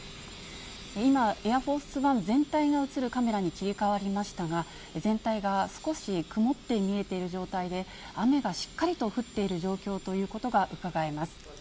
今、エアフォースワン全体が映るカメラに切り替わりましたが、全体が少し雲って見えている状態で、雨がしっかりと降っている状況ということがうかがえます。